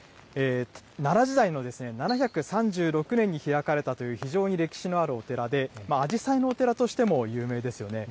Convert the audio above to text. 奈良時代の７３６年に開かれたという非常に歴史のあるお寺で、アジサイのお寺としても有名ですよね。